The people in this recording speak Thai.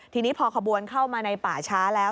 ทีนี้พอขบวนเข้ามาในป่าช้าแล้ว